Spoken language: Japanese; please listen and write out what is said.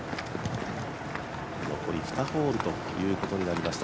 残り２ホールということになりました、